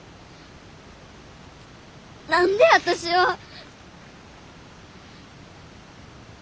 何で私は。